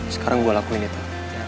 sekarang gue lakuin itu